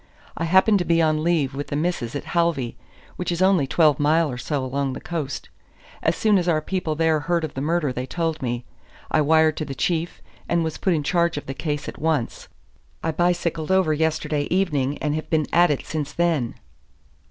"I happened to be on leave with the Missus at Halvey, which is only twelve mile or so along the coast. As soon as our people there heard of the murder they told me. I wired to the Chief, and was put in charge of the case at once. I bicycled over yesterday evening, and have been at it since then."